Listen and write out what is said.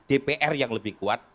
dpr yang lebih kuat